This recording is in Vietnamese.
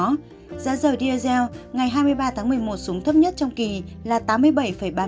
giá dầu diesel ngày hai mươi ba tháng một mươi một xuống thấp nhất trong kỳ là tám mươi bảy ba mươi bảy usd một thùng